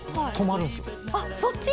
あっそっち？